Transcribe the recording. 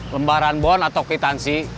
lembaran bon atau kitansi